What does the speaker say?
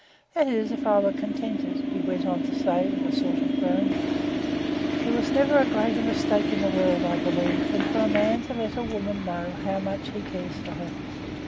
That is, if I was contented,' he went on to say, with a sort of a groan. There never was a greater mistake in the world, I believe, than for a man to let a woman know how much he cares for her.